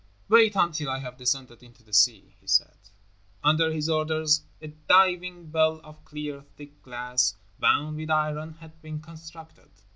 "Wait until I have descended into the sea," he said. Under his orders, a diving bell of clear thick glass, bound with iron, had been constructed.